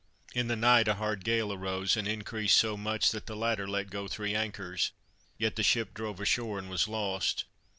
In the night a hard gale arose, and increased so much, that the latter let go three anchors, yet the ship drove ashore and was lost.